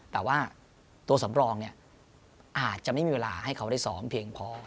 แต่ว่าตัวสำรองเนี่ยอาจจะไม่มีเวลาให้เขาได้ซ้อมเพียงพอ